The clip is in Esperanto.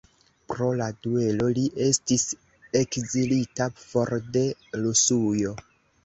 Pro la duelo li estis ekzilita for de Rusujo.